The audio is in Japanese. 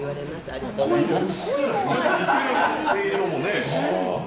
声量もね。